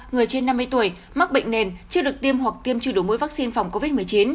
người trên năm mươi tuổi mắc bệnh nền chưa được tiêm hoặc tiêm chưa đủ mỗi vaccine phòng covid một mươi chín